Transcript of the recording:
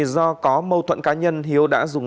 do có mâu thuận cá nhân hiếu đã dùng